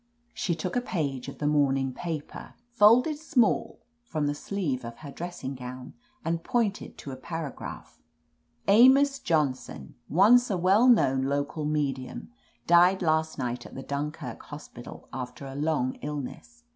She took a page of the morning paper, 41 THE AMAZING ADVENTURES folded small, from the sleeve of her dressing gown, and pointed to a paragraph* "Amos Johnson, once a well known local medium, died last night at the Dunkirk hos pital, after a long illness.